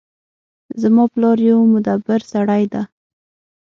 زما پلار یو مدبر سړی ده